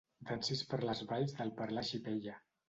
Dansis per les valls del parlar xipella.